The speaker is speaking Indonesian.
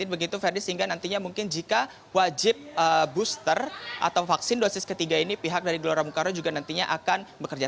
begitu ferdi sehingga nantinya mungkin jika wajib booster atau vaksin dosis ketiga ini pihak dari gelora bung karno juga nantinya akan bekerja